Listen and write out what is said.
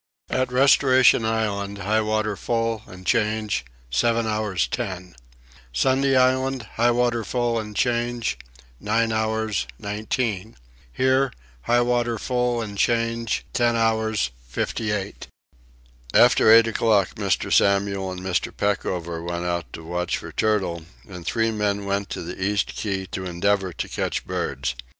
At Restoration Island high water full and change : 7 hours 10. Sunday Island high water full and change : 9 hours 19. Here high water full and change : 10 hours 58. After eight o'clock Mr. Samuel and Mr. Peckover went out to watch for turtle and three men went to the east key to endeavour to catch birds.